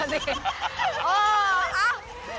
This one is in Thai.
เออเอ้า